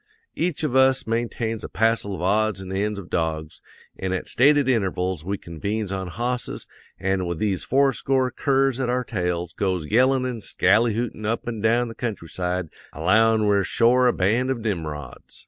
Each of us maintains a passel of odds an' ends of dogs, an' at stated intervals we convenes on hosses, an' with these fourscore curs at our tails goes yellin' an' skally hootin' up an' down the countryside allowin' we're shore a band of Nimrods.